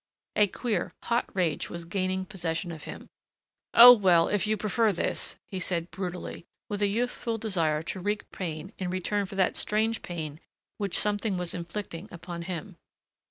A queer hot rage was gaining possession of him. "Oh, well, if you prefer this," he said brutally, with a youthful desire to wreak pain in return for that strange pain which something was inflicting upon him.